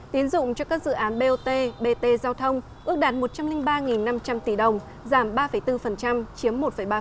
tiến dụng cho các dự án bot bt giao thông ước đạt một trăm linh ba năm trăm linh tỷ đồng giảm ba bốn chiếm một ba